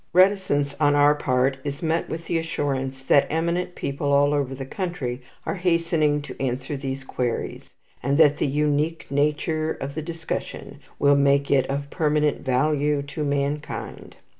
Reticence on our part is met by the assurance that eminent people all over the country are hastening to answer these queries, and that the "unique nature" of the discussion will make it of permanent value to mankind.